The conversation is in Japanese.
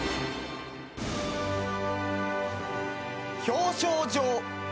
「表彰状」